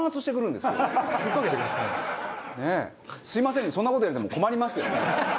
すみません。